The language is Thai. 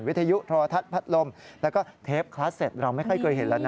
วิทยุโทรทัศน์พัดลมแล้วก็เทปคลาสเต็ตเราไม่ค่อยเคยเห็นแล้วนะ